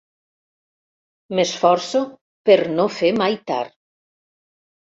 M'esforço per no fer mai tard.